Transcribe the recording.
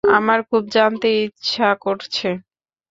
আমার খুব জানতে ইচ্ছা করছে।